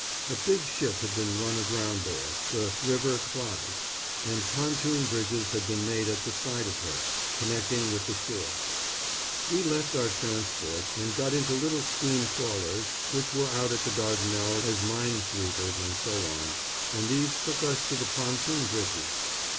A big ship had been run aground there the River Clyde and pontoon bridges had been made at the side of her, connecting with the shore. We left our transport and got into little steam trawlers, which were out at the Dardanelles as mine sweepers and so on, and these took us to the pontoon bridges.